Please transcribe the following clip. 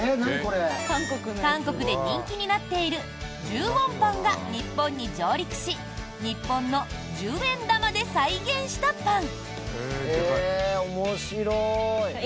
韓国で人気になっている１０ウォンパンが日本に上陸し日本の十円玉で再現したパン。